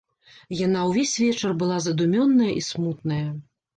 Яна ўвесь вечар была задумёная і смутная.